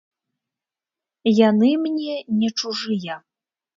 Яны мне не чужыя.